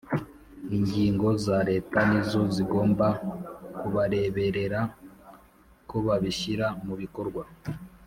inzego za Leta nizo zigomba kubareberera ko babishyira mu bikorwa